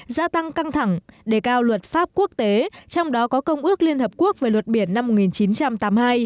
gia tăng căng thẳng đề cao luật pháp quốc tế trong đó có công ước liên hợp quốc về luật biển năm một nghìn chín trăm tám mươi hai